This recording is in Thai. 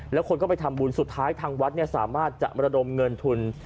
แล้วคนก็ไปทำบุญสุดท้ายทางวัดสามารถจะระดมเงินทุน